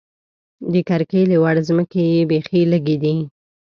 د کرکیلې وړ ځمکې یې بېخې لږې دي.